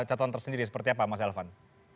catatan tersendiri seperti apa mas elvan